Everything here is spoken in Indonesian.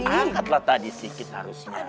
aku angkatlah tadi sikit harusnya